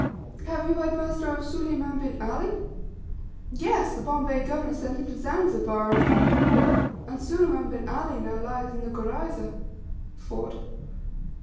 "Have you heard, master, of Suleiman bin Ali?" "Yes, the Bombay governor sent him to Zanzibar, in a man of war, and Suleiman bin Ali now lies in the gurayza (fort)."